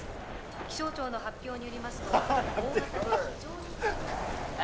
気象庁の発表によりますとハハッ何で？